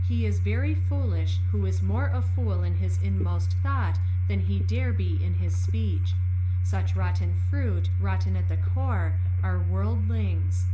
He is very foolish who is more a fool in his inmost thought than he dan bo in his speech. Buch rotten fruit, rotten at the core, are worldlings.